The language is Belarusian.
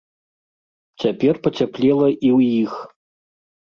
Цяпер пацяплела і ў іх.